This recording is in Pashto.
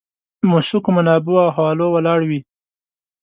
موثقو منابعو او حوالو ولاړ وي.